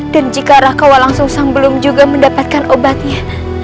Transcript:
dan jika raden walang sungsa belum juga mendapatkan obatnya